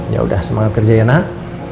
ya udah semangat kerjanya nak